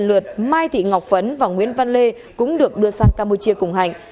lượt mai thị ngọc phấn và nguyễn văn lê cũng được đưa sang campuchia cùng hạnh